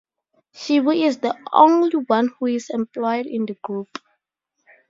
Shibu is the only one who is employed in the group.